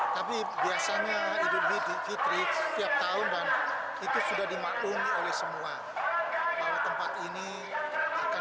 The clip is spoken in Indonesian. tapi biasanya idul fitri setiap tahun dan itu sudah dimaklumi oleh semua bahwa tempat ini akan